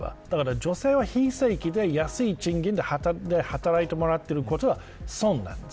女性は非正規で安い賃金で働いてもらっているということが損なんです。